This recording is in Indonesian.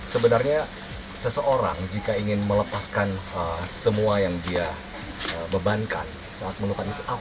sebenarnya seseorang jika ingin melepaskan semua yang dia bebankan saat meluka itu apa